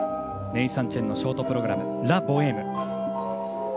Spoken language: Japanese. ネイサン・チェンのショートプログラム『ラ・ボエーム』。